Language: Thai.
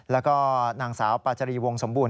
แล้วก็นางสาวปาจรีวงสมบูร